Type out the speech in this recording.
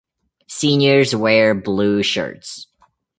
Seniors wear blue shirts.